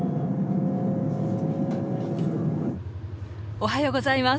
おはようございます！